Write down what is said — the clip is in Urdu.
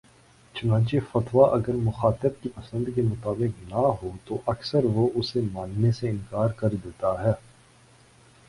چنانچہ فتویٰ اگر مخاطب کی پسند کے مطابق نہ ہو تو اکثر وہ اسے ماننے سے انکار کر دیتا ہے